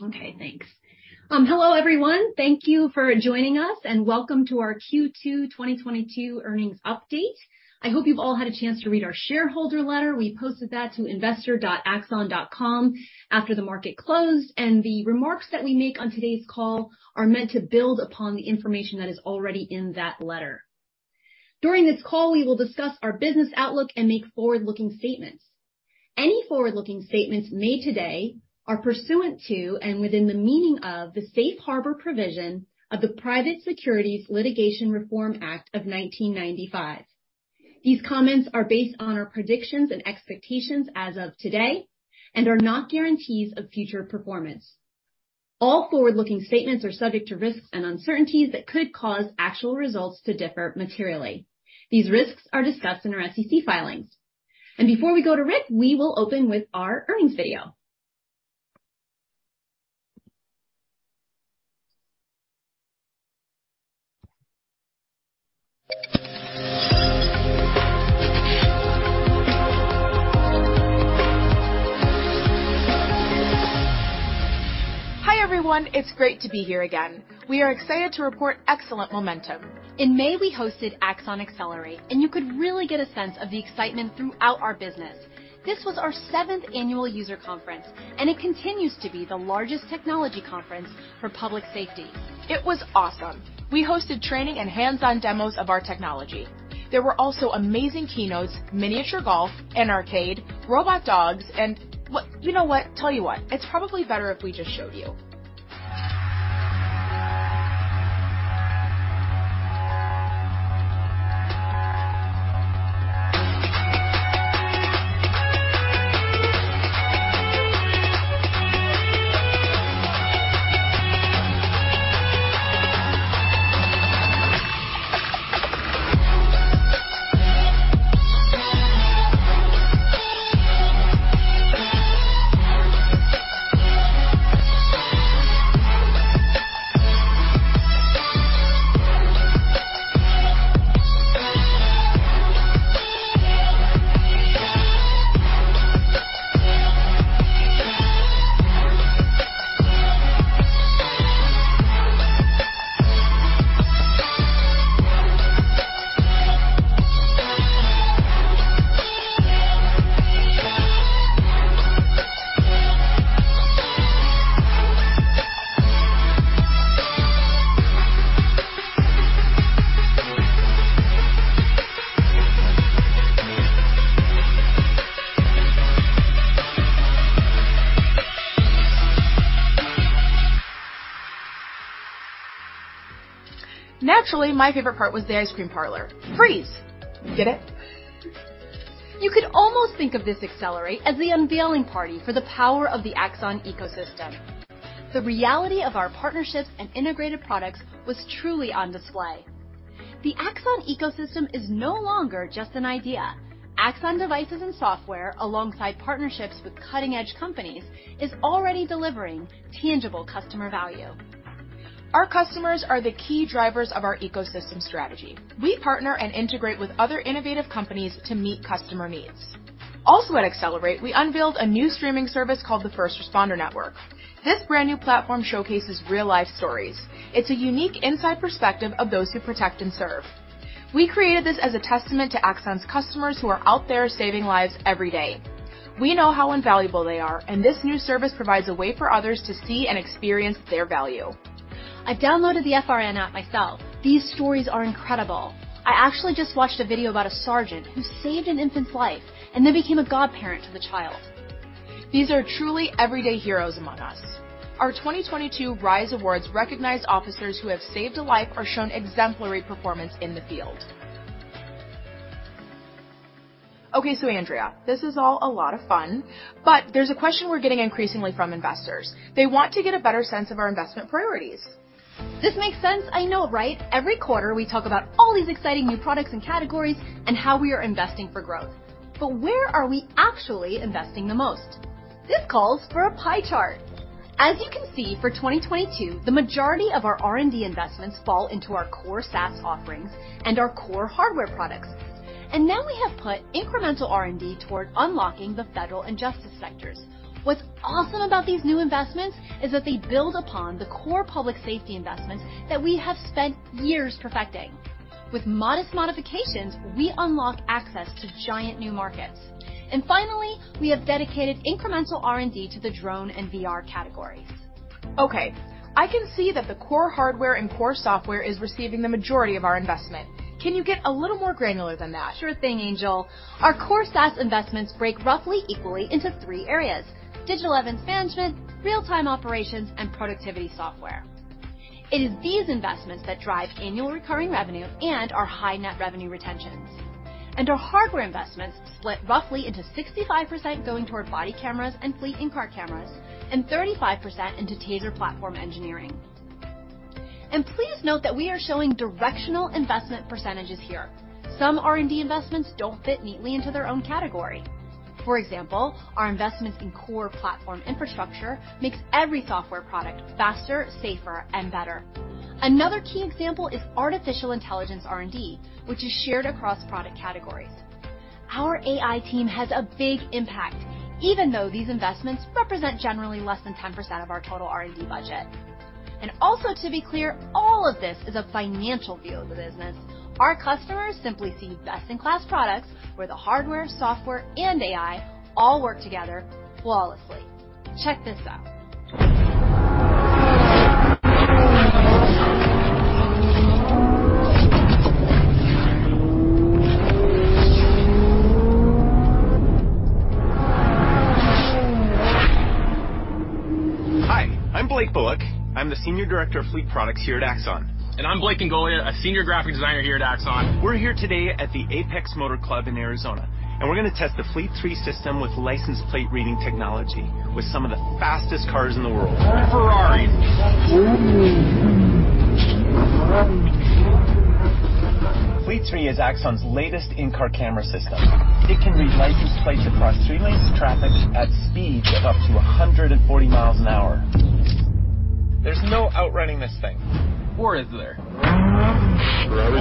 Okay, thanks. Hello everyone. Thank you for joining us, and welcome to our Q2 2022 Earnings Update. I hope you've all had a chance to read our shareholder letter. We posted that to investor.axon.com after the market closed, and the remarks that we make on today's call are meant to build upon the information that is already in that letter. During this call, we will discuss our business outlook and make forward-looking statements. Any forward-looking statements made today are pursuant to, and within the meaning of, the safe harbor provision of the Private Securities Litigation Reform Act of 1995. These comments are based on our predictions and expectations as of today and are not guarantees of future performance. All forward-looking statements are subject to risks and uncertainties that could cause actual results to differ materially. These risks are discussed in our SEC filings. Before we go to Rick, we will open with our earnings video. Hi, everyone. It's great to be here again. We are excited to report excellent momentum. In May, we hosted Axon Accelerate, and you could really get a sense of the excitement throughout our business. This was our seventh annual user conference, and it continues to be the largest technology conference for public safety. It was awesome. We hosted training and hands-on demos of our technology. There were also amazing keynotes, miniature golf, an arcade, robot dogs, and. Well, you know what? Tell you what. It's probably better if we just show you. Naturally, my favorite part was the ice cream parlor. Freeze. Get it? You could almost think of this Accelerate as the unveiling party for the power of the Axon ecosystem. The reality of our partnerships and integrated products was truly on display. The Axon ecosystem is no longer just an idea. Axon devices and software, alongside partnerships with cutting-edge companies, is already delivering tangible customer value. Our customers are the key drivers of our ecosystem strategy. We partner and integrate with other innovative companies to meet customer needs. Also at Accelerate, we unveiled a new streaming service called the First Responders Network. This brand-new platform showcases real-life stories. It's a unique inside perspective of those who protect and serve. We created this as a testament to Axon's customers who are out there saving lives every day. We know how invaluable they are, and this new service provides a way for others to see and experience their value. I've downloaded the FRN app myself. These stories are incredible. I actually just watched a video about a sergeant who saved an infant's life and then became a godparent to the child. These are truly everyday heroes among us. Our 2022 RISE Awards recognize officers who have saved a life or shown exemplary performance in the field. Okay, Andrea, this is all a lot of fun, but there's a question we're getting increasingly from investors. They want to get a better sense of our investment priorities. This makes sense, I know, right? Every quarter, we talk about all these exciting new products and categories and how we are investing for growth. Where are we actually investing the most? This calls for a pie chart. As you can see, for 2022, the majority of our R&D investments fall into our core SaaS offerings and our core hardware products. Now we have put incremental R&D toward unlocking the federal and justice sectors. What's awesome about these new investments is that they build upon the core public safety investments that we have spent years perfecting. With modest modifications, we unlock access to giant new markets. Finally, we have dedicated incremental R&D to the drone and VR categories. Okay, I can see that the core hardware and core software is receiving the majority of our investment. Can you get a little more granular than that? Sure thing, Angel. Our core SaaS investments break roughly equally into three areas, Digital Evidence Management, real-time operations, and productivity software. It is these investments that drive annual recurring revenue and our high net revenue retentions. Our hardware investments split roughly into 65% going toward body cameras and fleet in-car cameras, and 35% into TASER platform engineering. Please note that we are showing directional investment percentages here. Some R&D investments don't fit neatly into their own category. For example, our investments in core platform infrastructure makes every software product faster, safer, and better. Another key example is artificial intelligence R&D, which is shared across product categories. Our AI team has a big impact, even though these investments represent generally less than 10% of our total R&D budget. To be clear, all of this is a financial view of the business. Our customers simply see best-in-class products where the hardware, software, and AI all work together flawlessly. Check this out. Hi, I'm Blake Bullock. I'm the Senior Director of Fleet Products here at Axon. I'm Blake Ingoglia, a Senior Graphic Designer here at Axon. We're here today at the Apex Motor Club in Arizona, and we're gonna test the Fleet 3 system with license plate reading technology with some of the fastest cars in the world. Ferrari. Fleet 3 is Axon's latest in-car camera system. It can read license plates across three lanes of traffic at speeds of up to 140 miles an hour. There's no outrunning this thing. Is there? Ferrari's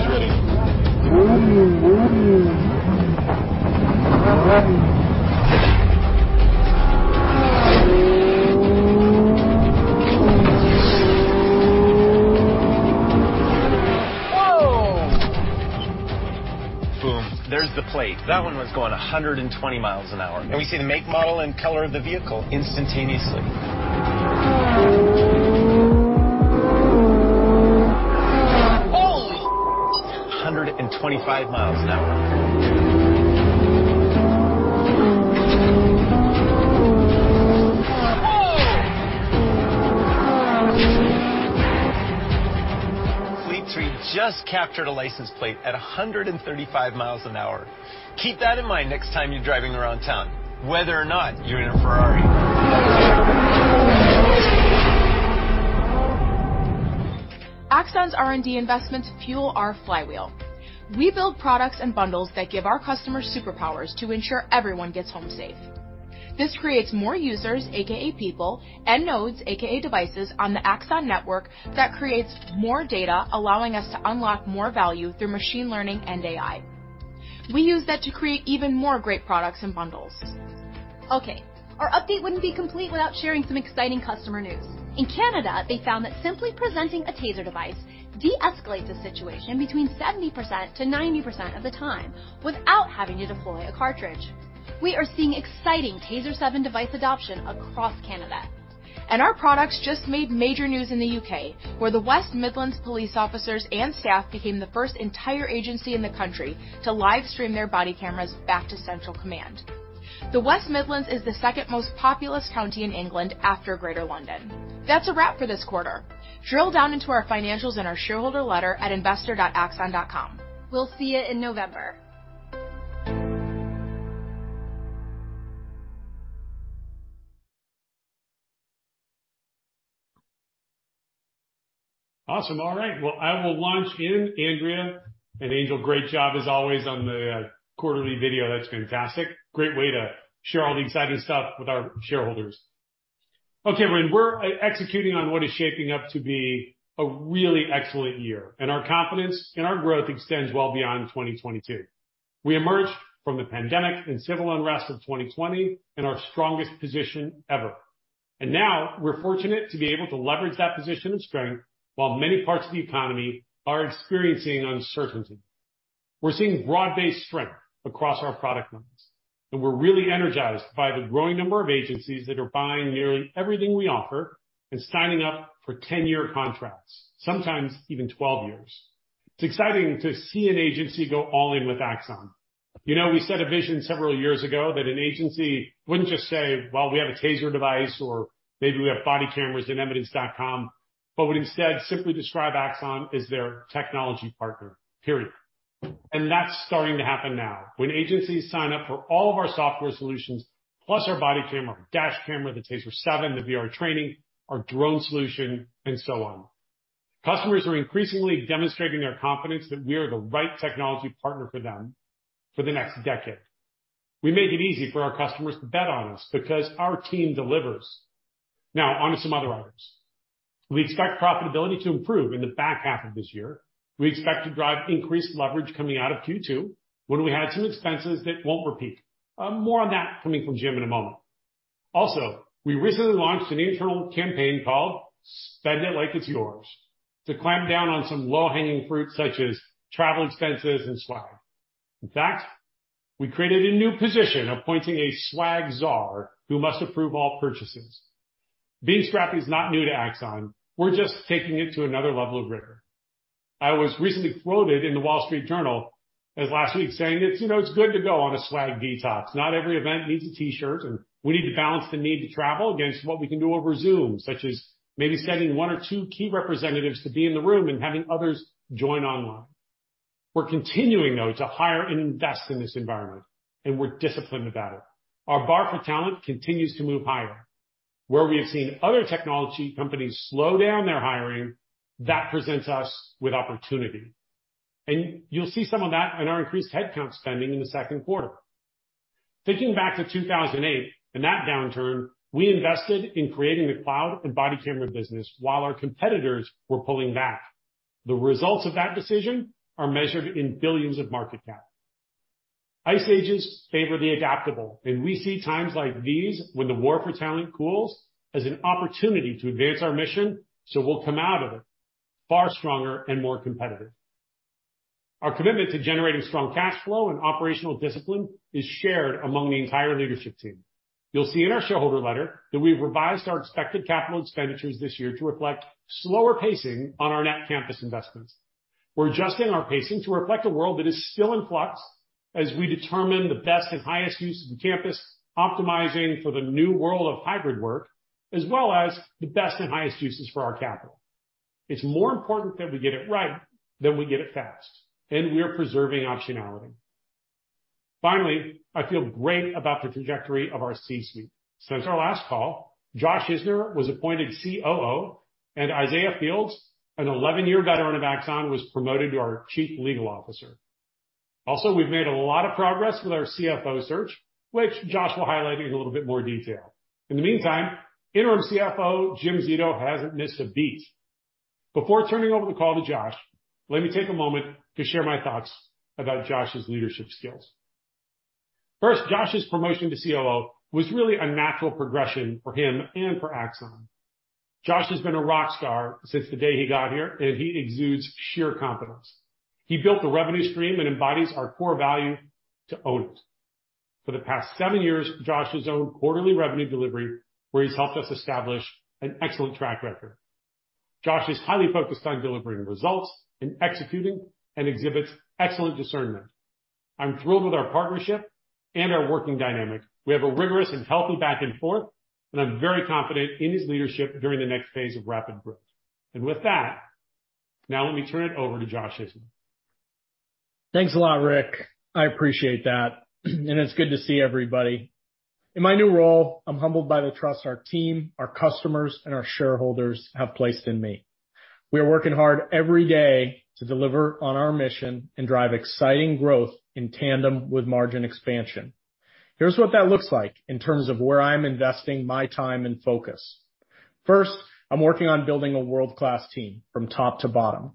ready. Whoa. Boom, there's the plate. That one was going 120 miles an hour. We see the make, model, and color of the vehicle instantaneously. Holy, a 125 miles an hour. Whoa. Fleet 3 just captured a license plate at 135 miles an hour. Keep that in mind next time you're driving around town, whether or not you're in a Ferrari. Axon's R&D investments fuel our flywheel. We build products and bundles that give our customers superpowers to ensure everyone gets home safe. This creates more users, AKA people, and nodes, AKA devices, on the Axon network that creates more data, allowing us to unlock more value through machine learning and AI. We use that to create even more great products and bundles. Okay, our update wouldn't be complete without sharing some exciting customer news. In Canada, they found that simply presenting a TASER device deescalates a situation between 70% to 90% of the time without having to deploy a cartridge. We are seeing exciting TASER 7 device adoption across Canada. Our products just made major news in the UK, where the West Midlands Police officers and staff became the first entire agency in the country to live stream their body cameras back to central command. The West Midlands is the second most populous county in England after Greater London. That's a wrap for this quarter. Drill down into our financials and our shareholder letter at investor.axon.com. We'll see you in November. Awesome. All right, well, I will launch in. Andrea and Angel, great job as always on the quarterly video. That's fantastic. Great way to share all the exciting stuff with our shareholders. Okay, everyone. We're executing on what is shaping up to be a really excellent year. Our confidence in our growth extends well beyond 2022. We emerged from the pandemic and civil unrest of 2020 in our strongest position ever, and now we're fortunate to be able to leverage that position of strength while many parts of the economy are experiencing uncertainty. We're seeing broad-based strength across our product lines, and we're really energized by the growing number of agencies that are buying nearly everything we offer and signing up for 10-year contracts, sometimes even 12 years. It's exciting to see an agency go all in with Axon. You know, we set a vision several years ago that an agency wouldn't just say, "Well, we have a TASER device, or maybe we have body cameras and Evidence.com," but would instead simply describe Axon as their technology partner, period. That's starting to happen now when agencies sign up for all of our software solutions, plus our body camera, dash camera, the TASER 7, the VR training, our drone solution, and so on. Customers are increasingly demonstrating their confidence that we are the right technology partner for them for the next decade. We made it easy for our customers to bet on us because our team delivers. Now on to some other items. We expect profitability to improve in the back half of this year. We expect to drive increased leverage coming out of Q2 when we had some expenses that won't repeat. More on that coming from Jim in a moment. Also, we recently launched an internal campaign called Spend It Like It's Yours to clamp down on some low-hanging fruits such as travel expenses and swag. In fact, we created a new position appointing a swag czar who must approve all purchases. Being scrappy is not new to Axon. We're just taking it to another level of rigor. I was recently quoted in The Wall Street Journal as last week saying, it's, you know, it's good to go on a swag detox. Not every event needs a T-shirt, and we need to balance the need to travel against what we can do over Zoom, such as maybe sending one or two key representatives to be in the room and having others join online. We're continuing, though, to hire and invest in this environment, and we're disciplined about it. Our bar for talent continues to move higher. Where we have seen other technology companies slow down their hiring, that presents us with opportunity, and you'll see some of that in our increased headcount spending in the second quarter. Thinking back to 2008, in that downturn, we invested in creating the cloud and body camera business while our competitors were pulling back. The results of that decision are measured in billions of market cap. Ice ages favor the adaptable, and we see times like these when the war for talent cools as an opportunity to advance our mission, so we'll come out of it far stronger and more competitive. Our commitment to generating strong cash flow and operational discipline is shared among the entire leadership team. You'll see in our shareholder letter that we've revised our expected capital expenditures this year to reflect slower pacing on our new campus investments. We're adjusting our pacing to reflect a world that is still in flux as we determine the best and highest use of the campus, optimizing for the new world of hybrid work, as well as the best and highest uses for our capital. It's more important that we get it right than we get it fast, and we are preserving optionality. Finally, I feel great about the trajectory of our C-suite. Since our last call, Josh Isner was appointed COO and Isaiah Fields, an 11-year veteran of Axon, was promoted to our Chief Legal Officer. Also, we've made a lot of progress with our CFO search, which Josh will highlight in a little bit more detail. In the meantime, Interim CFO Jim Zito hasn't missed a beat. Before turning over the call to Josh, let me take a moment to share my thoughts about Josh's leadership skills. First, Josh's promotion to COO was really a natural progression for him and for Axon. Josh has been a rock star since the day he got here, and he exudes sheer confidence. He built a revenue stream and embodies our core value to own it. For the past seven years, Josh has owned quarterly revenue delivery, where he's helped us establish an excellent track record. Josh is highly focused on delivering results and executing and exhibits excellent discernment. I'm thrilled with our partnership and our working dynamic. We have a rigorous and healthy back and forth, and I'm very confident in his leadership during the next phase of rapid growth. With that, now let me turn it over to Josh Isner. Thanks a lot, Rick. I appreciate that and it's good to see everybody. In my new role, I'm humbled by the trust our team, our customers, and our shareholders have placed in me. We are working hard every day to deliver on our mission and drive exciting growth in tandem with margin expansion. Here's what that looks like in terms of where I'm investing my time and focus. First, I'm working on building a world-class team from top to bottom.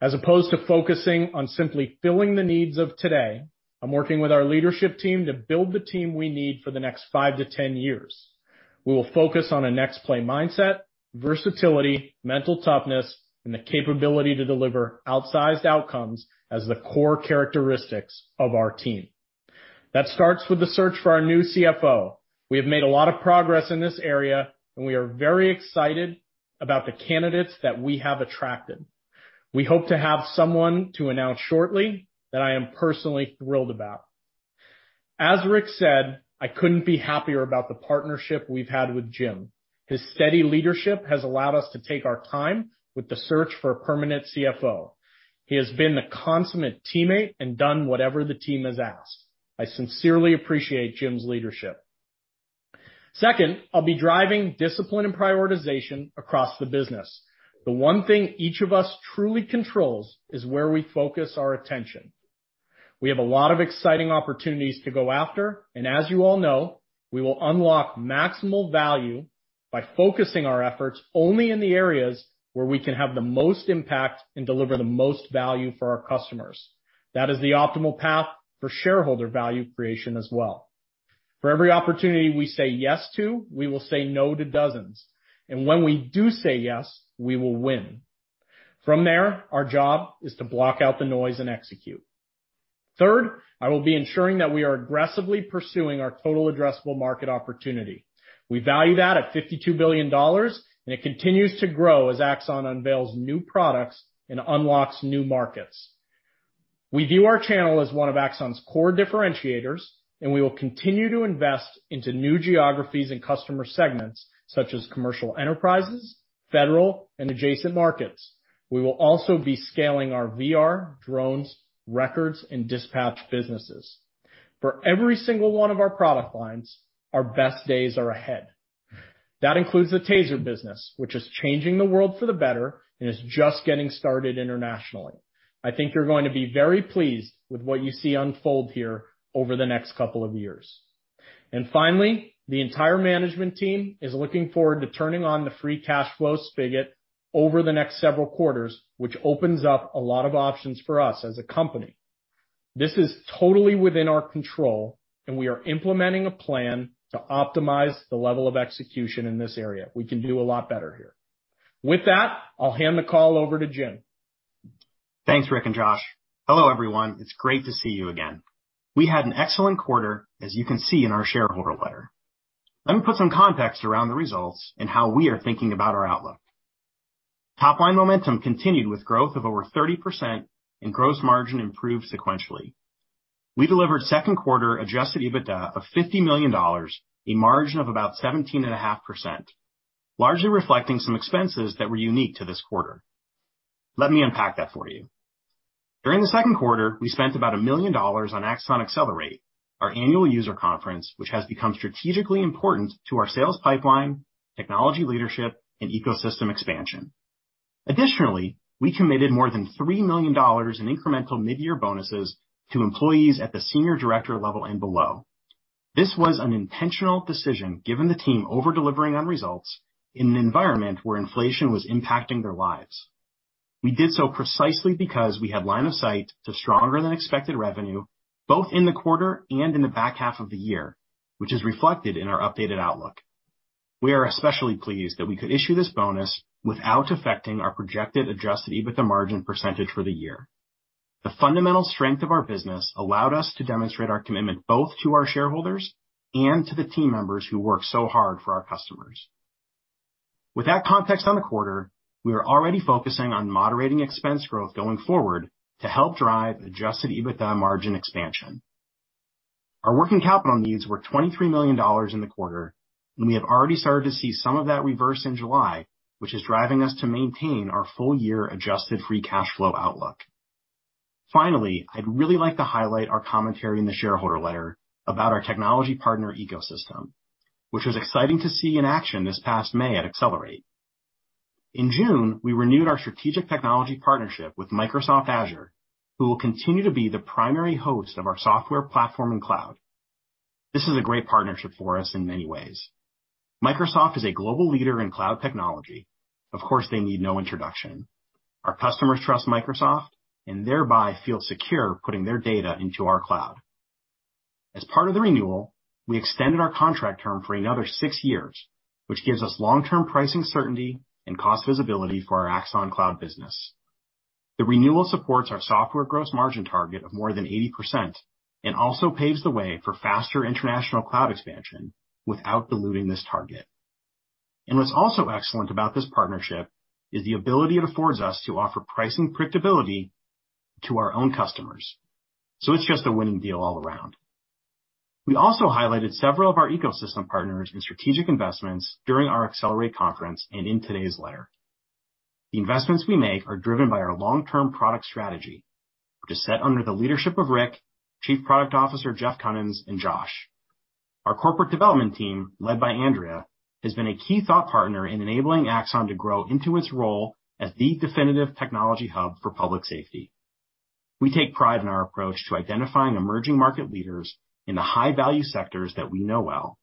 As opposed to focusing on simply filling the needs of today, I'm working with our leadership team to build the team we need for the next 5 to 10 years. We will focus on a next play mindset, versatility, mental toughness, and the capability to deliver outsized outcomes as the core characteristics of our team. That starts with the search for our new CFO. We have made a lot of progress in this area, and we are very excited about the candidates that we have attracted. We hope to have someone to announce shortly that I am personally thrilled about. As Rick said, I couldn't be happier about the partnership we've had with Jim. His steady leadership has allowed us to take our time with the search for a permanent CFO. He has been the consummate teammate and done whatever the team has asked. I sincerely appreciate Jim's leadership. Second, I'll be driving discipline and prioritization across the business. The one thing each of us truly controls is where we focus our attention. We have a lot of exciting opportunities to go after, and as you all know, we will unlock maximal value by focusing our efforts only in the areas where we can have the most impact and deliver the most value for our customers. That is the optimal path for shareholder value creation as well. For every opportunity we say yes to, we will say no to dozens. When we do say yes, we will win. From there, our job is to block out the noise and execute. Third, I will be ensuring that we are aggressively pursuing our total addressable market opportunity. We value that at $52 billion, and it continues to grow as Axon unveils new products and unlocks new markets. We view our channel as one of Axon's core differentiators, and we will continue to invest into new geographies and customer segments, such as commercial enterprises, federal, and adjacent markets. We will also be scaling our VR, drones, records, and dispatch businesses. For every single one of our product lines, our best days are ahead. That includes the TASER business, which is changing the world for the better and is just getting started internationally. I think you're going to be very pleased with what you see unfold here over the next couple of years. Finally, the entire management team is looking forward to turning on the free cash flow spigot over the next several quarters, which opens up a lot of options for us as a company. This is totally within our control, and we are implementing a plan to optimize the level of execution in this area. We can do a lot better here. With that, I'll hand the call over to Jim. Thanks, Rick and Josh. Hello, everyone. It's great to see you again. We had an excellent quarter, as you can see in our shareholder letter. Let me put some context around the results and how we are thinking about our outlook. Top line momentum continued with growth of over 30% and gross margin improved sequentially. We delivered second quarter adjusted EBITDA of $50 million, a margin of about 17.5%, largely reflecting some expenses that were unique to this quarter. Let me unpack that for you. During the second quarter, we spent about $1 million on Axon Accelerate, our annual user conference, which has become strategically important to our sales pipeline, technology leadership, and ecosystem expansion. Additionally, we committed more than $3 million in incremental mid-year bonuses to employees at the senior director level and below. This was an intentional decision given the team over-delivering on results in an environment where inflation was impacting their lives. We did so precisely because we had line of sight to stronger than expected revenue, both in the quarter and in the back half of the year, which is reflected in our updated outlook. We are especially pleased that we could issue this bonus without affecting our projected adjusted EBITDA margin percentage for the year. The fundamental strength of our business allowed us to demonstrate our commitment both to our shareholders and to the team members who work so hard for our customers. With that context on the quarter, we are already focusing on moderating expense growth going forward to help drive adjusted EBITDA margin expansion. Our working capital needs were $23 million in the quarter, and we have already started to see some of that reverse in July, which is driving us to maintain our full year adjusted free cash flow outlook. Finally, I'd really like to highlight our commentary in the shareholder letter about our technology partner ecosystem, which was exciting to see in action this past May at Accelerate. In June, we renewed our strategic technology partnership with Microsoft Azure, who will continue to be the primary host of our software platform and cloud. This is a great partnership for us in many ways. Microsoft is a global leader in cloud technology. Of course, they need no introduction. Our customers trust Microsoft and thereby feel secure putting their data into our cloud. As part of the renewal, we extended our contract term for another six years, which gives us long-term pricing certainty and cost visibility for our Axon Cloud business. The renewal supports our software gross margin target of more than 80% and also paves the way for faster international cloud expansion without diluting this target. What's also excellent about this partnership is the ability it affords us to offer pricing predictability to our own customers. It's just a winning deal all around. We also highlighted several of our ecosystem partners in strategic investments during our Accelerate conference and in today's letter. The investments we make are driven by our long-term product strategy, which is set under the leadership of Rick, Chief Product Officer Jeff Kunins, and Josh. Our corporate development team, led by Andrea, has been a key thought partner in enabling Axon to grow into its role as the definitive technology hub for public safety. We take pride in our approach to identifying emerging market leaders in the high-value sectors that we know well,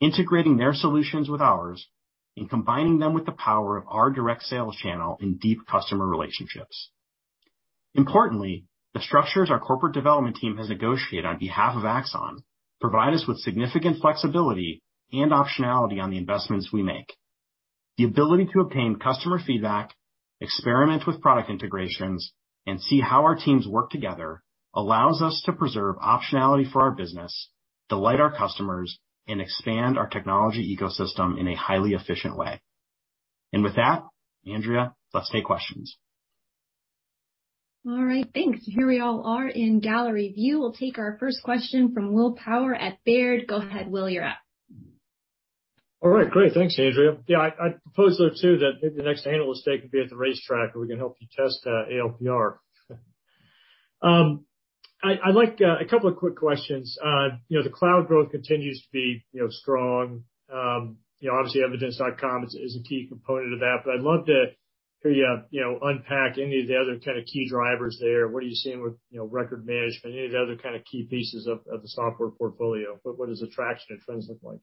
integrating their solutions with ours, and combining them with the power of our direct sales channel and deep customer relationships. Importantly, the structures our corporate development team has negotiated on behalf of Axon provide us with significant flexibility and optionality on the investments we make. The ability to obtain customer feedback, experiment with product integrations, and see how our teams work together allows us to preserve optionality for our business, delight our customers, and expand our technology ecosystem in a highly efficient way. With that, Andrea, let's take questions. All right. Thanks. Here we all are in gallery view. We'll take our first question from Will Power at Baird. Go ahead, Will. You're up. All right. Great. Thanks, Andrea. Yeah, I'd propose, though, too, that maybe the next analyst day could be at the racetrack, and we can help you test ALPR. I'd like a couple of quick questions. You know, the cloud growth continues to be, you know, strong. You know, obviously Evidence.com is a key component of that, but I'd love to hear you know, unpack any of the other kind of key drivers there. What are you seeing with, you know, record management, any of the other kind of key pieces of the software portfolio? What does the traction and trends look like?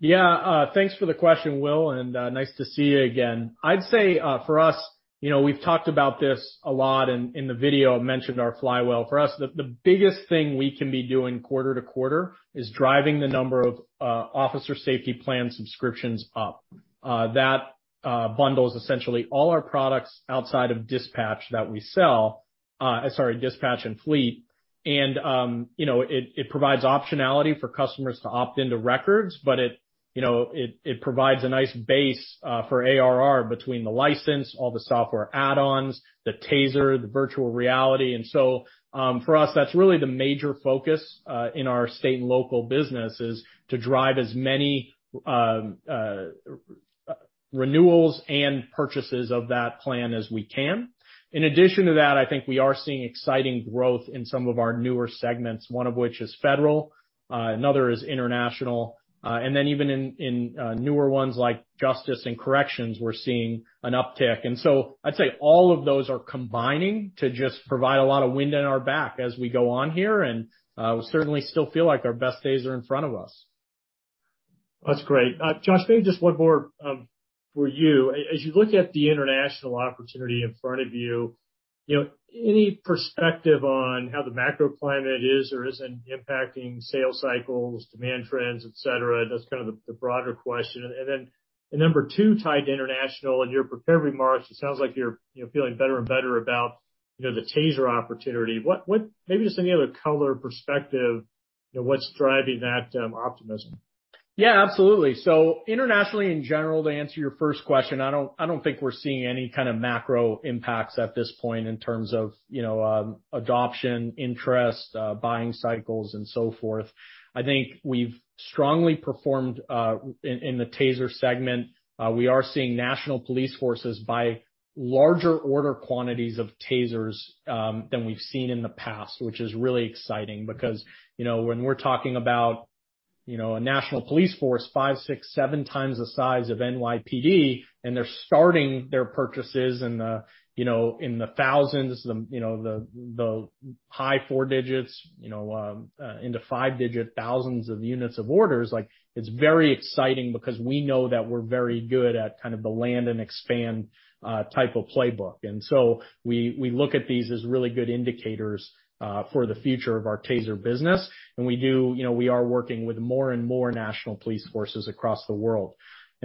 Yeah. Thanks for the question, Will, and nice to see you again. I'd say, for us, you know, we've talked about this a lot in the video. I've mentioned our flywheel. For us, the biggest thing we can be doing quarter to quarter is driving the number of officer safety plan subscriptions up. That bundles essentially all our products outside of dispatch that we sell. Sorry, dispatch and fleet. You know, it provides optionality for customers to opt into records, but it, you know, provides a nice base for ARR between the license, all the software add-ons, the TASER, the virtual reality. For us, that's really the major focus in our state and local business, is to drive as many renewals and purchases of that plan as we can. In addition to that, I think we are seeing exciting growth in some of our newer segments, one of which is federal, another is international. And then even in newer ones like justice and corrections, we're seeing an uptick. I'd say all of those are combining to just provide a lot of wind in our back as we go on here. We certainly still feel like our best days are in front of us. That's great. Josh, maybe just one more for you. As you look at the international opportunity in front of you know, any perspective on how the macroclimate is or isn't impacting sales cycles, demand trends, et cetera? That's kind of the broader question. Number two, tied to international, in your prepared remarks, it sounds like you're, you know, feeling better and better about, you know, the TASER opportunity. Maybe just any other color or perspective, you know, what's driving that optimism? Yeah, absolutely. Internationally in general, to answer your first question, I don't think we're seeing any kind of macro impacts at this point in terms of, you know, adoption interest, buying cycles and so forth. I think we've strongly performed in the TASER segment. We are seeing national police forces buy larger order quantities of TASERs than we've seen in the past, which is really exciting because, you know, when we're talking about a national police force five, six, seven times the size of NYPD, and they're starting their purchases in the, you know, thousands, the high four digits, you know, into five-digit thousands of units of orders. Like, it's very exciting because we know that we're very good at kind of the land and expand type of playbook. We look at these as really good indicators for the future of our TASER business. We do. You know, we are working with more and more national police forces across the world.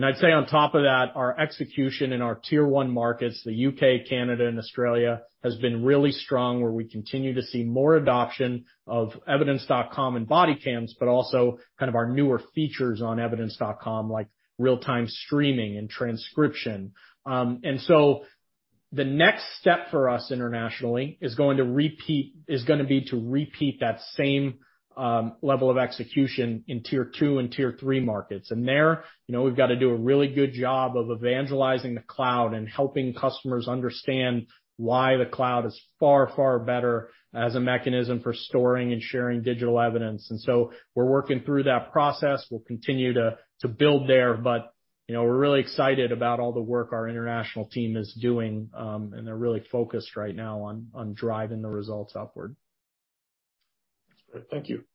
I'd say on top of that, our execution in our tier one markets, the U.K., Canada, and Australia, has been really strong, where we continue to see more adoption of Evidence.com and bodycams, but also kind of our newer features on Evidence.com, like real-time streaming and transcription. The next step for us internationally is gonna be to repeat that same level of execution in tier two and tier three markets. There, you know, we've got to do a really good job of evangelizing the cloud and helping customers understand why the cloud is far, far better as a mechanism for storing and sharing digital evidence. We're working through that process. We'll continue to build there, but, you know, we're really excited about all the work our international team is doing, and they're really focused right now on driving the results upward. Thank you.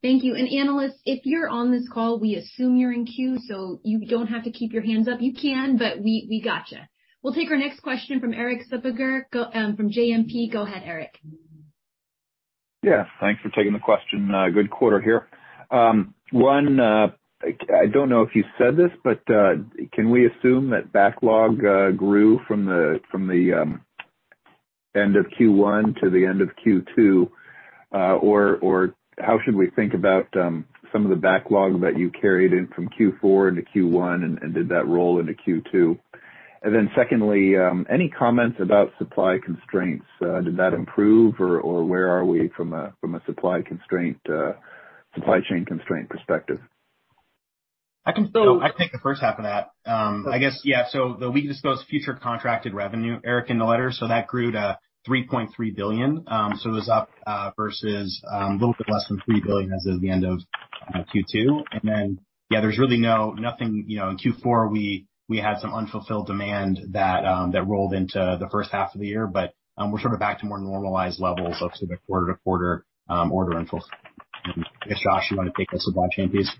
Thank you. Analysts, if you're on this call, we assume you're in queue, so you don't have to keep your hands up. You can, but we gotcha. We'll take our next question from Erik Suppiger from JMP. Go ahead, Erik. Yeah, thanks for taking the question. Good quarter here. One, like I don't know if you said this, but can we assume that backlog grew from the end of Q1 to the end of Q2? Or how should we think about some of the backlog that you carried in from Q4 into Q1 and did that roll into Q2? Secondly, any comments about supply constraints? Did that improve? Or where are we from a supply constraint, supply chain constraint perspective? I can... I can take the first half of that. I guess, yeah, we disclose future contracted revenue, Erik, in the letter, so that grew to $3.3 billion. So it was up versus a little bit less than $3 billion as of the end of Q2. Then yeah, there's really nothing, you know, in Q4 we had some unfulfilled demand that rolled into the first half of the year, but we're sort of back to more normalized levels of sort of quarter to quarter order inflow. I guess, Josh, you wanna take the supply chain, please.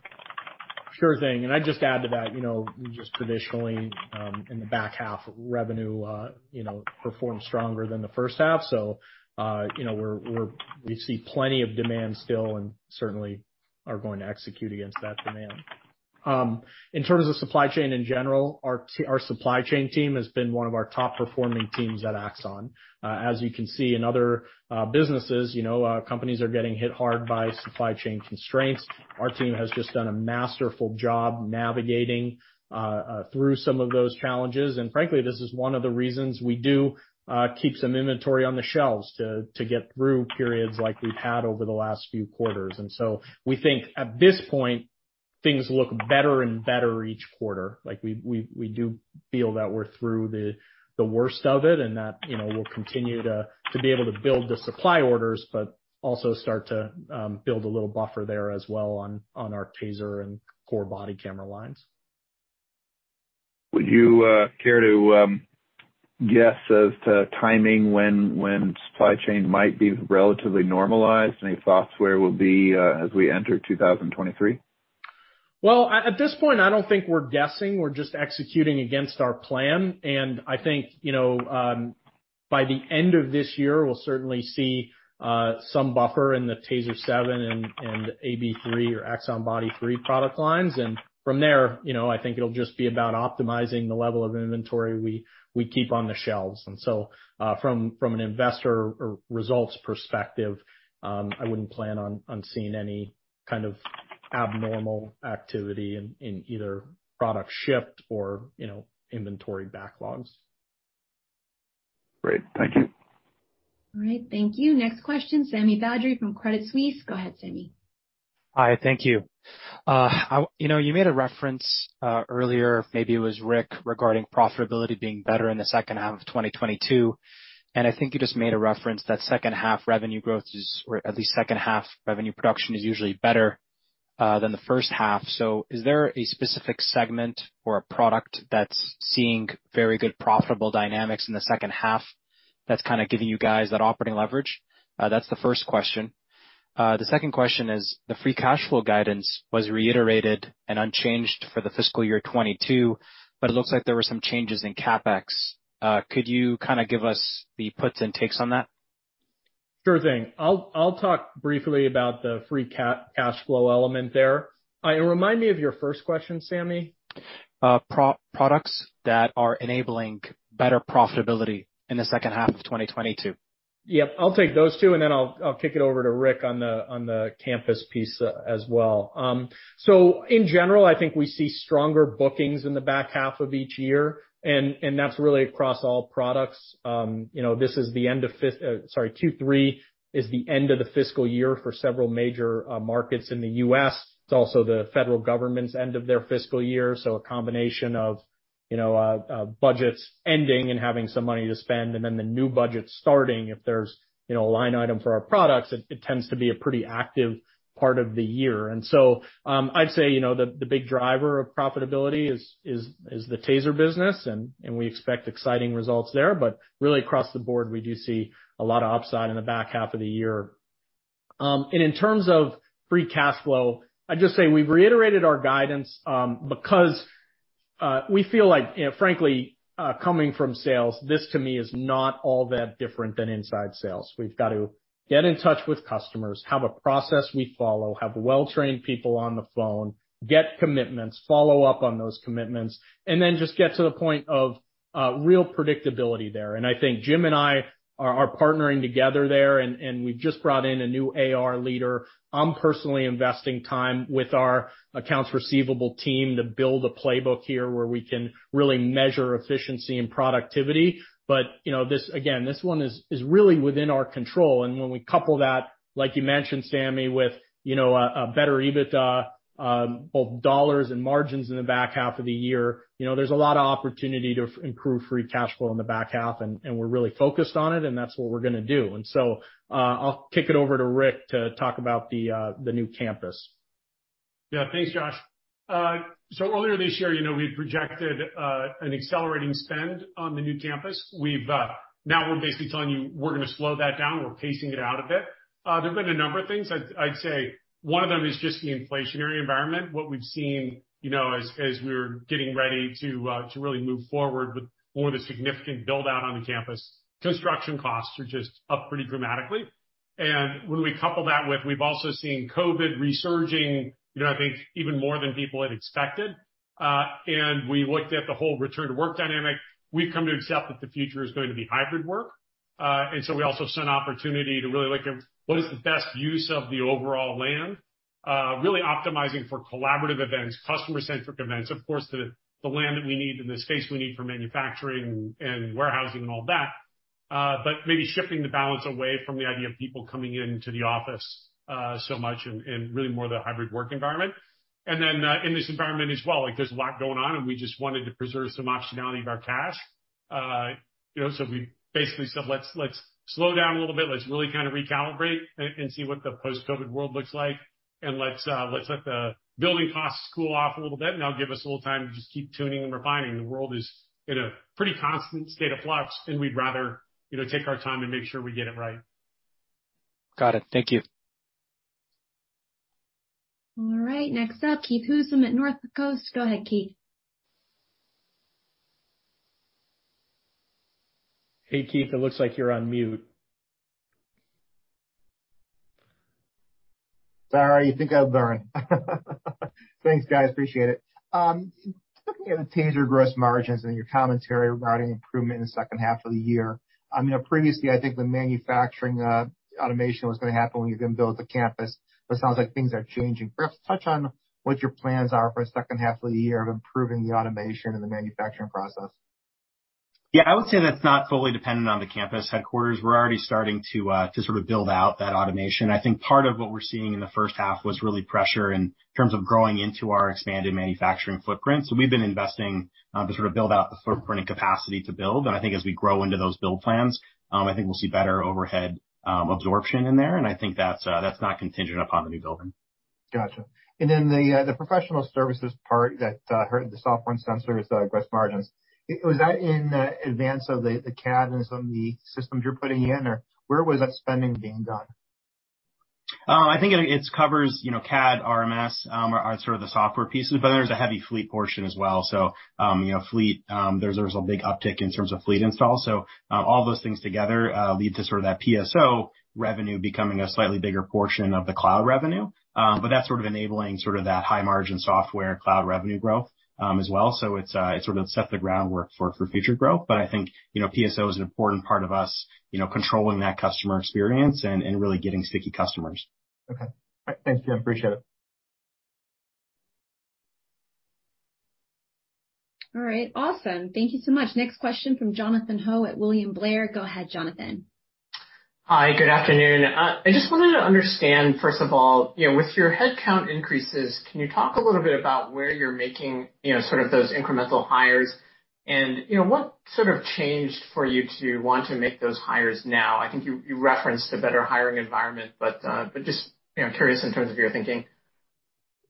Sure thing, I'd just add to that, you know, just traditionally, in the back half revenue, you know, performed stronger than the first half. We see plenty of demand still and certainly are going to execute against that demand. In terms of supply chain in general, our supply chain team has been one of our top performing teams at Axon. As you can see in other businesses, you know, companies are getting hit hard by supply chain constraints. Our team has just done a masterful job navigating through some of those challenges. Frankly, this is one of the reasons we do keep some inventory on the shelves to get through periods like we've had over the last few quarters. We think at this point, things look better and better each quarter. Like we do feel that we're through the worst of it and that, you know, we'll continue to be able to build the supply orders, but also start to build a little buffer there as well on our TASER and core body camera lines. Would you care to guess as to timing when supply chain might be relatively normalized? Any thoughts where we'll be as we enter 2023? Well, at this point, I don't think we're guessing. We're just executing against our plan. I think, you know, by the end of this year, we'll certainly see some buffer in the TASER 7 and AB3 or Axon Body 3 product lines. From there, you know, I think it'll just be about optimizing the level of inventory we keep on the shelves. From an investor or results perspective, I wouldn't plan on seeing any kind of abnormal activity in either product shift or, you know, inventory backlogs. Great. Thank you. All right. Thank you. Next question, Sami Badri from Credit Suisse. Go ahead, Sami. Hi. Thank you. You know, you made a reference earlier, maybe it was Rick, regarding profitability being better in the second half of 2022. I think you just made a reference that second half revenue growth is, or at least second half revenue production is usually better than the first half. Is there a specific segment or a product that's seeing very good profitable dynamics in the second half that's kind of giving you guys that operating leverage? That's the first question. The second question is the free cash flow guidance was reiterated and unchanged for the fiscal year 2022, but it looks like there were some changes in CapEx. Could you kind of give us the puts and takes on that? Sure thing. I'll talk briefly about the free cash flow element there. Remind me of your first question, Sami. Our products that are enabling better profitability in the second half of 2022. Yep. I'll take those two, and then I'll kick it over to Rick on the campus piece as well. In general, I think we see stronger bookings in the back half of each year and that's really across all products. This is the end of Q3, the end of the fiscal year for several major markets in the U.S. It's also the federal government's end of their fiscal year, so a combination of budgets ending and having some money to spend, and then the new budget starting. If there's a line item for our products, it tends to be a pretty active part of the year. I'd say, you know, the big driver of profitability is the TASER business and we expect exciting results there. Really across the board, we do see a lot of upside in the back half of the year. In terms of free cash flow, I'd just say we've reiterated our guidance because we feel like, you know, frankly, coming from sales, this, to me, is not all that different than inside sales. We've got to get in touch with customers, have a process we follow, have well-trained people on the phone, get commitments, follow up on those commitments, and then just get to the point of real predictability there. I think Jim and I are partnering together there, and we've just brought in a new AR leader. I'm personally investing time with our accounts receivable team to build a playbook here where we can really measure efficiency and productivity. You know, this again, this one is really within our control. When we couple that, like you mentioned, Sami, with, you know, a better EBITDA both dollars and margins in the back half of the year, you know, there's a lot of opportunity to improve free cash flow in the back half, and we're really focused on it, and that's what we're gonna do. I'll kick it over to Rick to talk about the new campus. Yeah. Thanks, Josh. So earlier this year, you know, we had projected an accelerating spend on the new campus. We've now we're basically telling you we're gonna slow that down. We're pacing it out a bit. There've been a number of things. I'd say one of them is just the inflationary environment. What we've seen, you know, as we're getting ready to really move forward with more of the significant build-out on the campus. Construction costs are just up pretty dramatically. When we couple that with we've also seen COVID resurging, you know, I think even more than people had expected. We looked at the whole return to work dynamic. We've come to accept that the future is going to be hybrid work. We also saw an opportunity to really look at what is the best use of the overall land, really optimizing for collaborative events, customer-centric events. Of course, the land that we need and the space we need for manufacturing and warehousing and all that. But maybe shifting the balance away from the idea of people coming into the office so much and really more the hybrid work environment. In this environment as well, like, there's a lot going on, and we just wanted to preserve some optionality of our cash. You know, so we basically said, "Let's slow down a little bit. Let's really kind of recalibrate and see what the post-COVID world looks like, and let's let the building costs cool off a little bit, and that'll give us a little time to just keep tuning and refining." The world is in a pretty constant state of flux, and we'd rather, you know, take our time and make sure we get it right. Got it. Thank you. All right. Next up, Keith Housum at Northcoast Research. Go ahead, Keith. Hey, Keith, it looks like you're on mute. Sorry. You think I've learned. Thanks, guys. Appreciate it. Looking at the TASER gross margins and your commentary regarding improvement in the second half of the year, I mean, previously I think the manufacturing automation was gonna happen when you then build the campus, but sounds like things are changing. Perhaps touch on what your plans are for a second half of the year of improving the automation and the manufacturing process. Yeah. I would say that's not fully dependent on the campus headquarters. We're already starting to sort of build out that automation. I think part of what we're seeing in the first half was really pressure in terms of growing into our expanded manufacturing footprint. We've been investing to sort of build out the footprint and capacity to build. I think as we grow into those build plans, I think we'll see better overhead absorption in there, and I think that's not contingent upon the new building. Gotcha. The professional services part that hurt the software and sensors gross margins, was that in advance of the CAD and some of the systems you're putting in, or where was that spending being done? I think it covers, you know, CAD, RMS are sort of the software pieces, but then there's a heavy fleet portion as well. You know, fleet, there's a big uptick in terms of fleet installs. All those things together lead to sort of that PSO revenue becoming a slightly bigger portion of the cloud revenue. That's sort of enabling sort of that high margin software cloud revenue growth as well. It sort of set the groundwork for future growth. I think, you know, PSO is an important part of us, you know, controlling that customer experience and really getting sticky customers. Okay. All right. Thanks, Jim. Appreciate it. All right. Awesome. Thank you so much. Next question from Jonathan Ho at William Blair. Go ahead, Jonathan. Hi. Good afternoon. I just wanted to understand, first of all, you know, with your headcount increases, can you talk a little bit about where you're making, you know, sort of those incremental hires? And, you know, what sort of changed for you to want to make those hires now? I think you referenced a better hiring environment, but just, you know, I'm curious in terms of your thinking.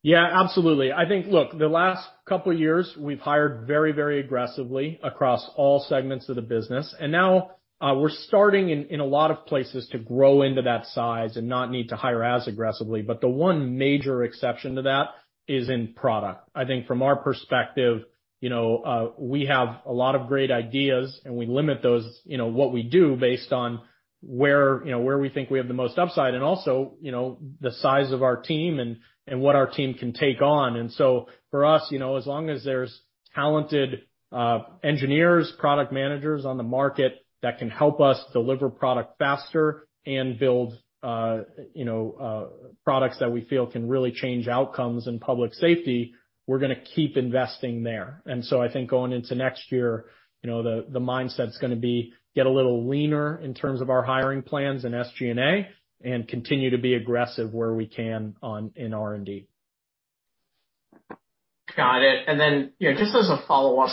Yeah, absolutely. I think, look, the last couple years we've hired very, very aggressively across all segments of the business. Now, we're starting in a lot of places to grow into that size and not need to hire as aggressively. The one major exception to that is in product. I think from our perspective, you know, we have a lot of great ideas, and we limit those, you know, what we do based on where, you know, where we think we have the most upside and also, you know, the size of our team and what our team can take on. For us, you know, as long as there's talented engineers, product managers on the market that can help us deliver product faster and build, you know, products that we feel can really change outcomes in public safety, we're gonna keep investing there. I think going into next year, you know, the mindset's gonna be get a little leaner in terms of our hiring plans and SG&A and continue to be aggressive where we can in R&D. Got it. Then, you know, just as a follow-up,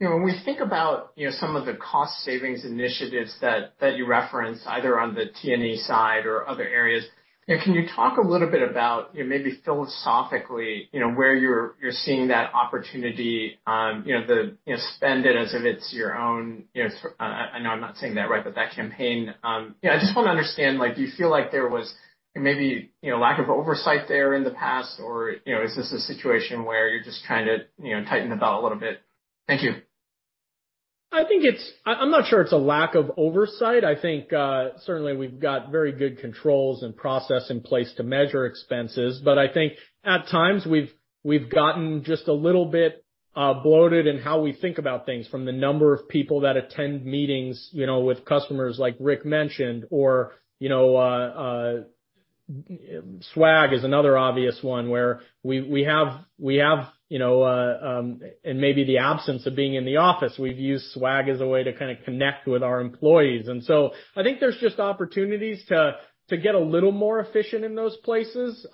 you know, when we think about, you know, some of the cost savings initiatives that you referenced either on the T&A side or other areas, you know, can you talk a little bit about, you know, maybe philosophically, you know, where you're seeing that opportunity, you know, the, you know, spend it as if it's your own, you know, I know I'm not saying that right, but that campaign. You know, I just wanna understand like you feel like there was maybe, you know, lack of oversight there in the past or, you know, is this a situation where you're just trying to, you know, tighten the belt a little bit? Thank you. I think it's. I'm not sure it's a lack of oversight. I think certainly we've got very good controls and process in place to measure expenses. I think at times we've gotten just a little bit bloated in how we think about things from the number of people that attend meetings, you know, with customers like Rick mentioned, or swag is another obvious one where we have and maybe the absence of being in the office, we've used swag as a way to kind of connect with our employees. I think there's just opportunities to get a little more efficient in those places.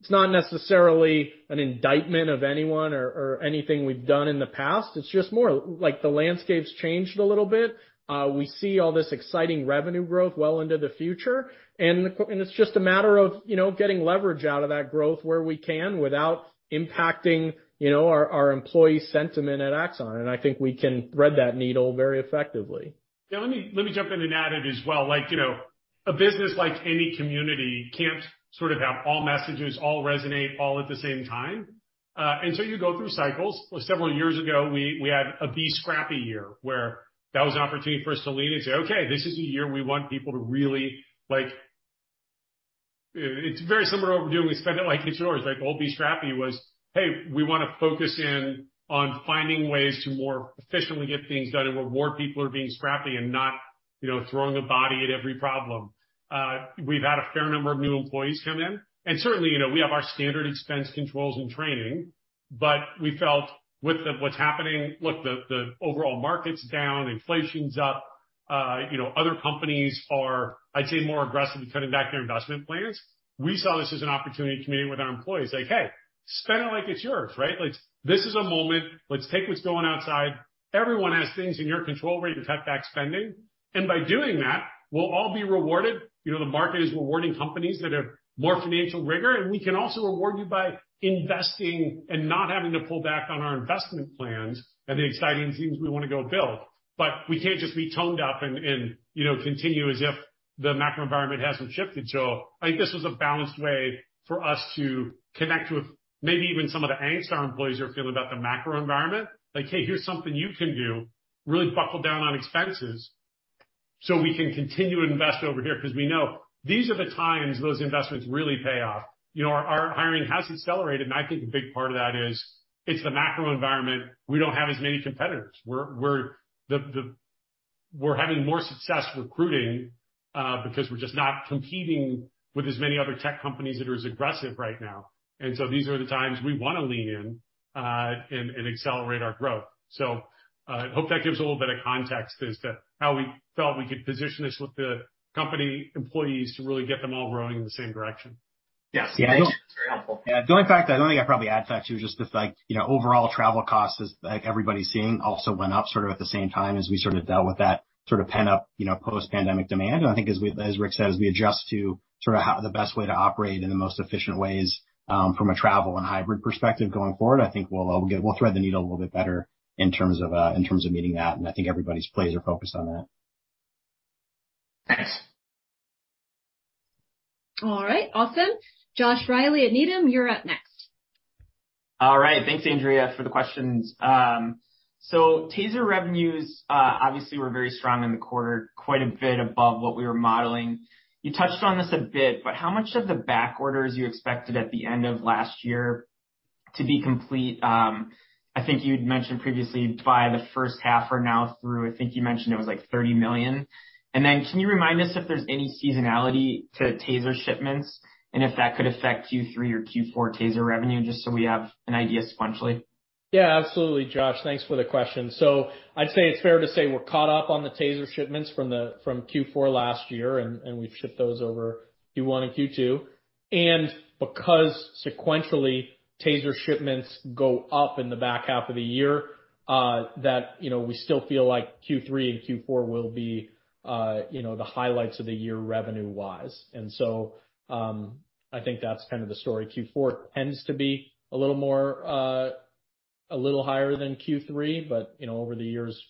It's not necessarily an indictment of anyone or anything we've done in the past. It's just more like the landscape's changed a little bit. We see all this exciting revenue growth well into the future, and it's just a matter of, you know, getting leverage out of that growth where we can without impacting, you know, our employee sentiment at Axon. I think we can thread that needle very effectively. Yeah, let me jump in and add it as well. Like, you know, a business like any community can't sort of have all messages resonate at the same time. You go through cycles. Several years ago, we had a be scrappy year where that was an opportunity for us to lean and say, "Okay, this is the year we want people to really." Like, it's very similar to what we're doing. We Spend it like it's yours. Like, 'be scrappy' was, "Hey, we wanna focus in on finding ways to more efficiently get things done and reward people who are being scrappy and not, you know, throwing a body at every problem." We've had a fair number of new employees come in, and certainly, you know, we have our standard expense controls and training, but we felt with what's happening, look, the overall market's down, inflation's up. You know, other companies are, I'd say, more aggressively cutting back their investment plans. We saw this as an opportunity to communicate with our employees like, "Hey, Spend it like it's yours." Right. Like, this is a moment. Let's take what's going outside. Everyone has things in your control where you can cut back spending, and by doing that, we'll all be rewarded. You know, the market is rewarding companies that have more financial rigor, and we can also reward you by investing and not having to pull back on our investment plans and the exciting things we wanna go build. We can't just be toned down and, you know, continue as if the macro environment hasn't shifted. I think this was a balanced way for us to connect with maybe even some of the angst our employees are feeling about the macro environment. Like, "Hey, here's something you can do. Really buckle down on expenses so we can continue to invest over here," 'cause we know these are the times those investments really pay off. You know, our hiring has accelerated, and I think a big part of that is it's the macro environment. We don't have as many competitors. We're having more success recruiting because we're just not competing with as many other tech companies that are as aggressive right now. These are the times we wanna lean in and accelerate our growth. Hope that gives a little bit of context as to how we felt we could position this with the company employees to really get them all rowing in the same direction. Yes. Very helpful. Yeah. The only fact I don't think I probably add to is just the fact, you know, overall travel costs as like everybody's seeing also went up sort of at the same time as we sort of dealt with that sort of pent-up, you know, post-pandemic demand. I think as Rick says, we adjust to sort of the best way to operate in the most efficient ways from a travel and hybrid perspective going forward. I think we'll thread the needle a little bit better in terms of meeting that, and I think everybody's plans are focused on that. Thanks. All right. Awesome. Josh Reilly at Needham, you're up next. All right. Thanks, Andrea, for the questions. So TASER revenues obviously were very strong in the quarter, quite a bit above what we were modeling. You touched on this a bit, but how much of the back orders you expected at the end of last year to be complete? I think you'd mentioned previously by the first half are now through. I think you mentioned it was like $30 million. Then can you remind us if there's any seasonality to TASER shipments and if that could affect Q3 or Q4 TASER revenue, just so we have an idea sequentially? Yeah, absolutely, Josh. Thanks for the question. I'd say it's fair to say we're caught up on the TASER shipments from Q4 last year, and we've shipped those over Q1 and Q2. Because sequentially, TASER shipments go up in the back half of the year, that, you know, we still feel like Q3 and Q4 will be, you know, the highlights of the year revenue-wise. I think that's kind of the story. Q4 tends to be a little more, a little higher than Q3, but, you know, over the years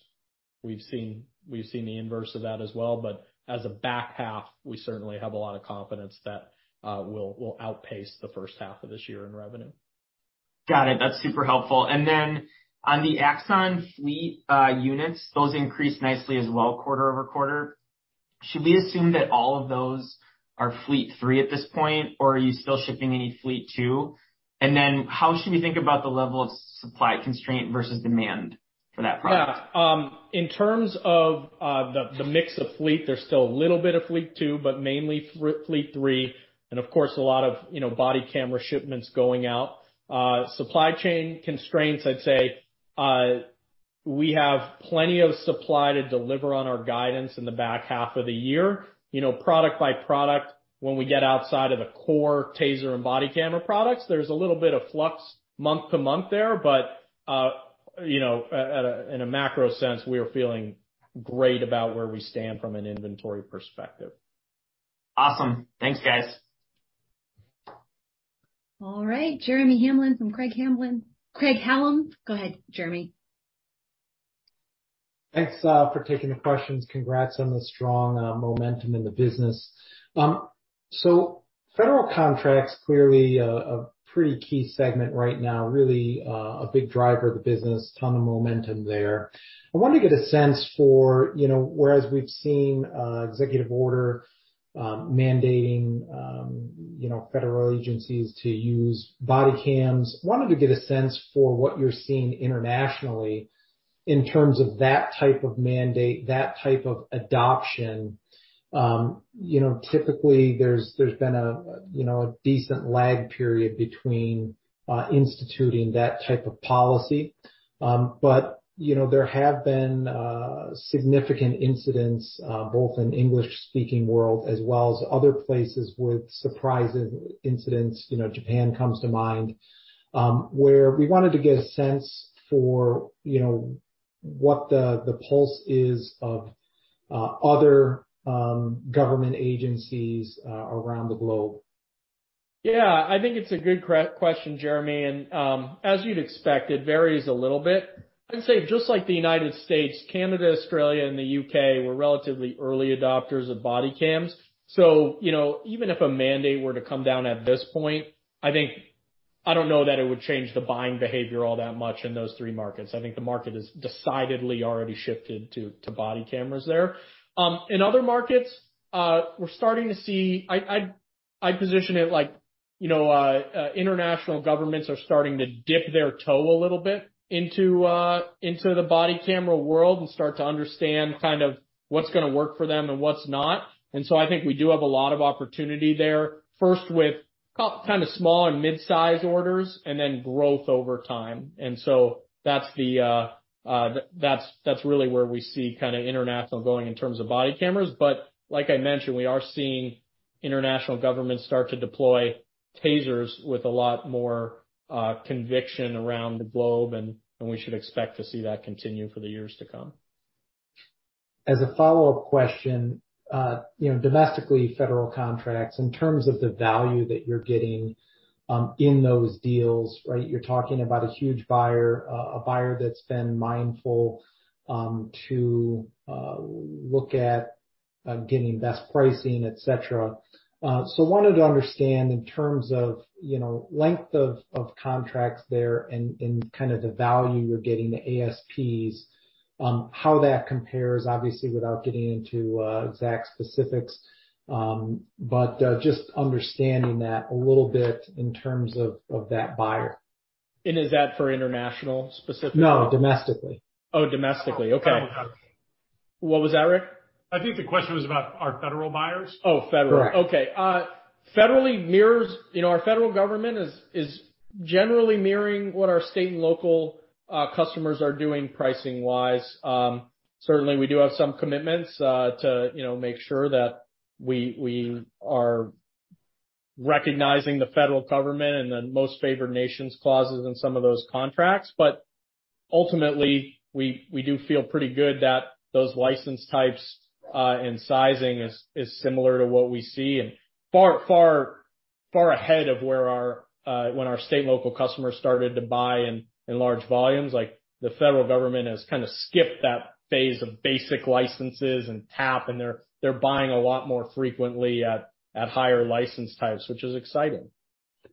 we've seen the inverse of that as well. As a back half, we certainly have a lot of confidence that, we'll outpace the first half of this year in revenue. Got it. That's super helpful. On the Axon Fleet, units, those increased nicely as well quarter-over-quarter. Should we assume that all of those are Fleet 3 at this point, or are you still shipping any Fleet 2? How should we think about the level of supply constraint versus demand for that product? Yeah. In terms of the mix of Fleet, there's still a little bit of Fleet 2, but mainly Fleet 3, and of course, a lot of, you know, body camera shipments going out. Supply chain constraints, I'd say. We have plenty of supply to deliver on our guidance in the back half of the year. You know, product by product, when we get outside of the core TASER and body camera products, there's a little bit of flux month to month there. You know, in a macro sense, we are feeling great about where we stand from an inventory perspective. Awesome. Thanks, guys. All right, Jeremy Hamblin from Craig-Hallum. Go ahead, Jeremy. Thanks for taking the questions. Congrats on the strong momentum in the business. So federal contracts clearly a pretty key segment right now, really a big driver of the business, ton of momentum there. I wanted to get a sense for, you know, whereas we've seen executive order mandating, you know, federal agencies to use body cams. Wanted to get a sense for what you're seeing internationally in terms of that type of mandate, that type of adoption. You know, typically there's been a decent lag period between instituting that type of policy. You know, there have been significant incidents both in English-speaking world as well as other places with surprising incidents. You know, Japan comes to mind, where we wanted to get a sense for, you know, what the pulse is of other government agencies around the globe. Yeah. I think it's a good question, Jeremy, and as you'd expect, it varies a little bit. I'd say just like the United States, Canada, Australia, and the UK were relatively early adopters of body cams. You know, even if a mandate were to come down at this point, I think I don't know that it would change the buying behavior all that much in those three markets. I think the market has decidedly already shifted to body cameras there. In other markets, we're starting to see. I position it like, you know, international governments are starting to dip their toe a little bit into the body camera world and start to understand kind of what's gonna work for them and what's not. I think we do have a lot of opportunity there, first with kind of small and mid-size orders and then growth over time. That's really where we see kind of international going in terms of body cameras. Like I mentioned, we are seeing international governments start to deploy TASERs with a lot more conviction around the globe, and we should expect to see that continue for the years to come. As a follow-up question, you know, domestically, federal contracts, in terms of the value that you're getting in those deals, right? You're talking about a huge buyer, a buyer that's been mindful to look at getting best pricing, et cetera. Wanted to understand in terms of, you know, length of contracts there and kind of the value you're getting, the ASPs, on how that compares, obviously, without getting into exact specifics. Just understanding that a little bit in terms of that buyer. Is that for international specifically? No, domestically. Oh, domestically. Okay. I think. What was that, Rick? I think the question was about our federal buyers. Oh, Federal. Correct. You know, our federal government is generally mirroring what our state and local customers are doing pricing-wise. Certainly we do have some commitments to, you know, make sure that we are recognizing the federal government and the most favored nations clauses in some of those contracts. Ultimately, we do feel pretty good that those license types and sizing is similar to what we see and far ahead of when our state and local customers started to buy in large volumes. Like, the federal government has kind of skipped that phase of basic licenses and TAP, and they're buying a lot more frequently at higher license types, which is exciting.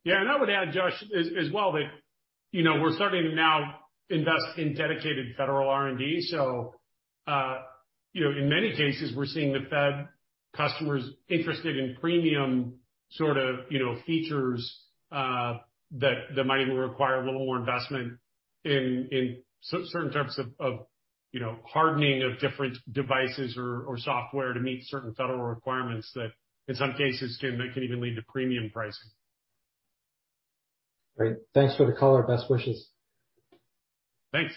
Yeah. I would add, Josh, as well that, you know, we're starting to now invest in dedicated federal R&D. You know, in many cases, we're seeing the Fed customers interested in premium sort of, you know, features that might even require a little more investment in certain terms of, you know, hardening of different devices or software to meet certain federal requirements that in some cases can even lead to premium pricing. Great. Thanks for the call. Our best wishes. Thanks.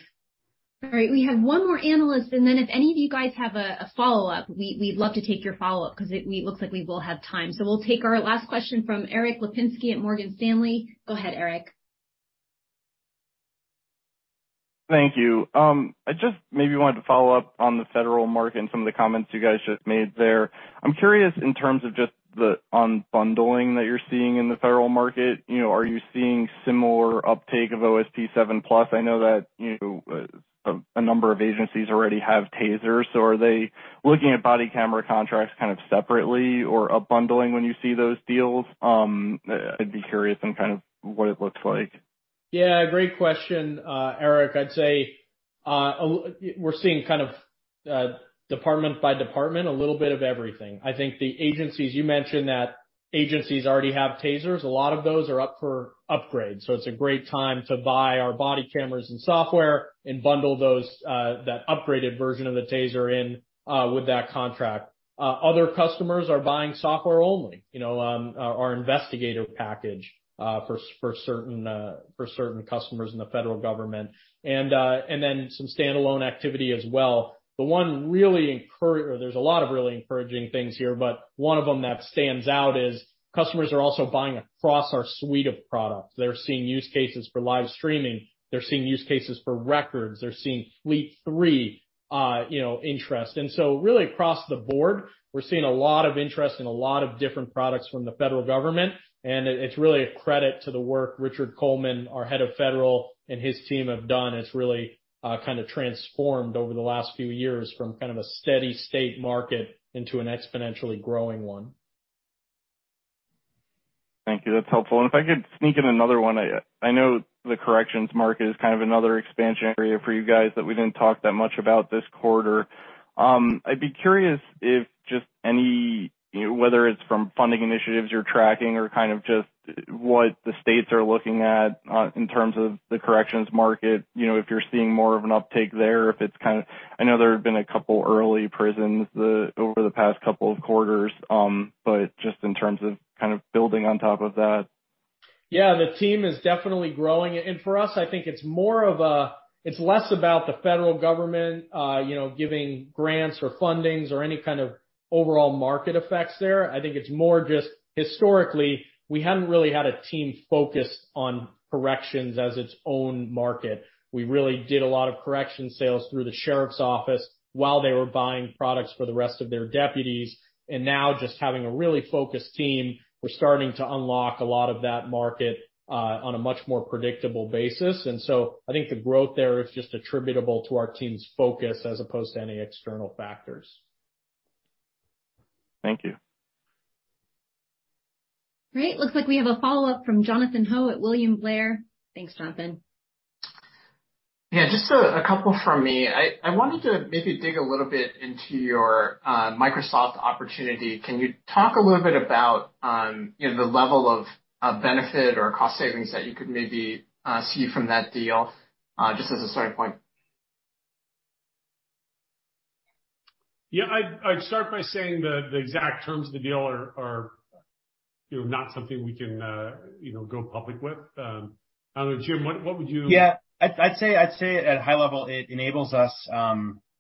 All right, we have one more analyst, and then if any of you guys have a follow-up, we'd love to take your follow-up 'cause it looks like we will have time. We'll take our last question from Erik Lapinski at Morgan Stanley. Go ahead, Erik. Thank you. I just maybe wanted to follow up on the federal market and some of the comments you guys just made there. I'm curious in terms of just the unbundling that you're seeing in the federal market. You know, are you seeing similar uptake of OSP 7+? I know that, you know, a number of agencies already have TASERs, so are they looking at body camera contracts kind of separately or unbundling when you see those deals? I'd be curious on kind of what it looks like. Yeah, great question, Erik. I'd say we're seeing kind of, department by department, a little bit of everything. I think the agencies you mentioned already have TASERs. A lot of those are up for upgrade, so it's a great time to buy our body cameras and software and bundle those, that upgraded version of the TASER in with that contract. Other customers are buying software only, you know, our investigative package for certain customers in the federal government and then some standalone activity as well. There's a lot of really encouraging things here, but one of them that stands out is customers are also buying across our suite of products. They're seeing use cases for live streaming. They're seeing use cases for records. They're seeing Fleet 3 interest. Really across the board, we're seeing a lot of interest in a lot of different products from the federal government, and it's really a credit to the work Richard Coleman, our head of federal, and his team have done. It's really kind of transformed over the last few years from kind of a steady state market into an exponentially growing one. Thank you. That's helpful. If I could sneak in another one. I know the corrections market is kind of another expansion area for you guys that we didn't talk that much about this quarter. I'd be curious if just any, you know, whether it's from funding initiatives you're tracking or kind of just what the states are looking at, in terms of the corrections market, you know, if you're seeing more of an uptake there, if it's kind of. I know there have been a couple early prisons the, over the past couple of quarters, but just in terms of kind of building on top of that. Yeah, the team is definitely growing. For us, I think it's more of a, it's less about the federal government giving grants or funding or any kind of overall market effects there. I think it's more just historically, we haven't really had a team focused on corrections as its own market. We really did a lot of corrections sales through the sheriff's office while they were buying products for the rest of their deputies. Now just having a really focused team, we're starting to unlock a lot of that market on a much more predictable basis. I think the growth there is just attributable to our team's focus as opposed to any external factors. Thank you. Great. Looks like we have a follow-up from Jonathan Ho at William Blair. Thanks, Jonathan. Yeah, just a couple from me. I wanted to maybe dig a little bit into your Microsoft opportunity. Can you talk a little bit about, you know, the level of benefit or cost savings that you could maybe see from that deal, just as a starting point? Yeah, I'd start by saying the exact terms of the deal are, you know, not something we can, you know, go public with. I don't know, Jim, what would you- Yeah. I'd say at high level, it enables us,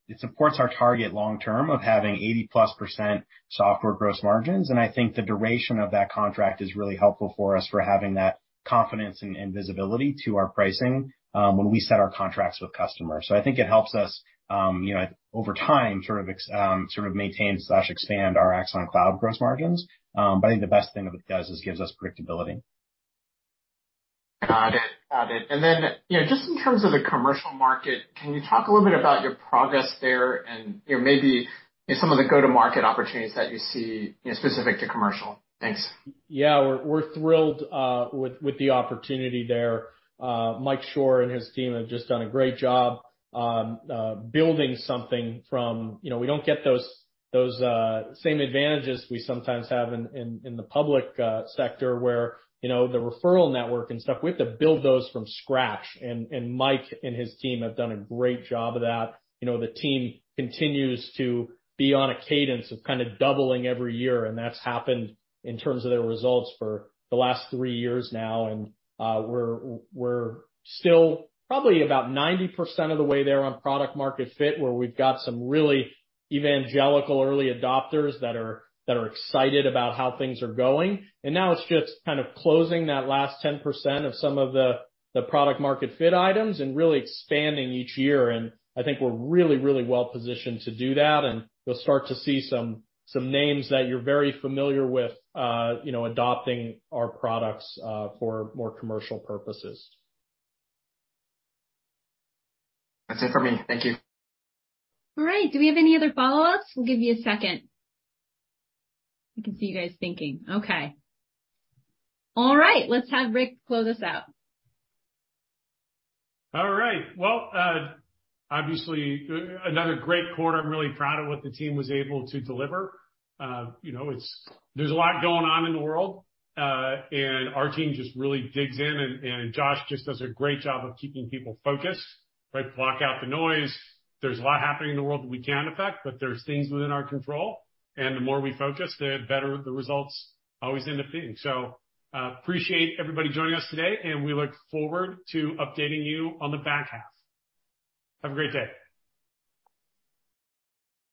it supports our target long term of having 80%+ software gross margins, and I think the duration of that contract is really helpful for us for having that confidence and visibility to our pricing, when we set our contracts with customers. I think it helps us, you know, over time, sort of maintain or expand our Axon Cloud gross margins. But I think the best thing that it does is gives us predictability. Got it. You know, just in terms of the commercial market, can you talk a little bit about your progress there and, you know, maybe some of the go-to-market opportunities that you see, you know, specific to commercial? Thanks. Yeah. We're thrilled with the opportunity there. Mike Shore and his team have just done a great job on building something. You know, we don't get those same advantages we sometimes have in the public sector where the referral network and stuff, we have to build those from scratch. Mike and his team have done a great job of that. You know, the team continues to be on a cadence of kind of doubling every year, and that's happened in terms of their results for the last three years now. We're still probably about 90% of the way there on product market fit, where we've got some really evangelical early adopters that are excited about how things are going. Now it's just kind of closing that last 10% of some of the product market fit items and really expanding each year. I think we're really well positioned to do that, and you'll start to see some names that you're very familiar with, you know, adopting our products for more commercial purposes. That's it for me. Thank you. All right. Do we have any other follow-ups? We'll give you a second. I can see you guys thinking. Okay. All right. Let's have Rick close us out. All right. Well, obviously another great quarter. I'm really proud of what the team was able to deliver. You know, there's a lot going on in the world, and our team just really digs in, and Josh just does a great job of keeping people focused, right? Block out the noise. There's a lot happening in the world that we can't affect, but there's things within our control, and the more we focus, the better the results always end up being. Appreciate everybody joining us today, and we look forward to updating you on the back half. Have a great day.